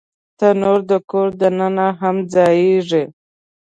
تنور د کور دننه هم ځایېږي